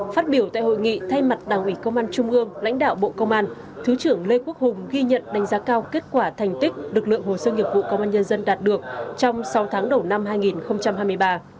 phát biểu tại hội nghị thay mặt đảng ủy công an trung ương lãnh đạo bộ công an thứ trưởng lê quốc hùng ghi nhận đánh giá cao kết quả thành tích lực lượng hồ sơ nghiệp vụ công an nhân dân đạt được trong sáu tháng đầu năm hai nghìn hai mươi ba